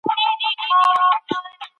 مبارکي